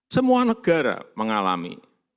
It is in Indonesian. semua negara mengalami